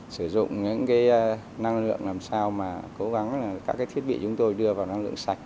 sử dụng những năng lượng làm sao mà cố gắng các thiết bị chúng tôi đưa vào năng lượng sạch